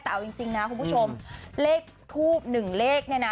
แต่เอาจริงนะคุณผู้ชมเลขทูบหนึ่งเลขเนี่ยนะ